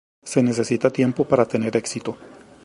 Se necesita tiempo para tener éxito